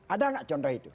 ada gak contoh itu